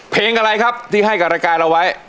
เพลงอะไรครับที่ให้กับรายการเราไว้